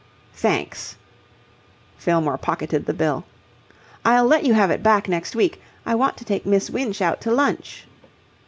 "Thanks." Fillmore pocketed the bill. "I'll let you have it back next week. I want to take Miss Winch out to lunch."